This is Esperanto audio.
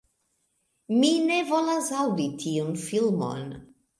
"Mi ne volas aŭdi tiun filmon!"